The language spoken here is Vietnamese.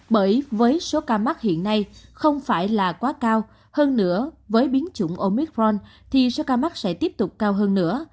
bởi với số ca mắc hiện nay không phải là quá cao hơn nữa với biến chủng omitforn thì số ca mắc sẽ tiếp tục cao hơn nữa